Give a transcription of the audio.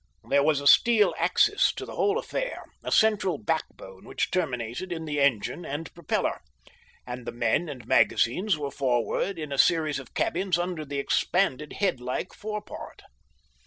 There was a steel axis to the whole affair, a central backbone which terminated in the engine and propeller, and the men and magazines were forward in a series of cabins under the expanded headlike forepart.